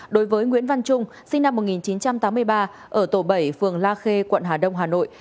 đối với nguyễn văn trung sinh năm một nghìn chín trăm tám mươi ba ở tổ bảy phường la khê quận hà đông hà nội